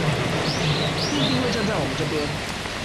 不一定會站在我們這邊